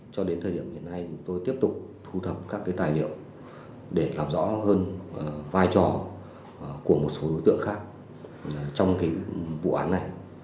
cho đến thời điểm hiện nay chúng tôi tiếp tục thu thập các tài liệu để làm rõ hơn vai trò của một số đối tượng khác trong vụ án này